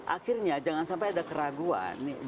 akhirnya jangan sampai ada keraguan